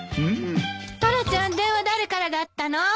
☎タラちゃん電話誰からだったの？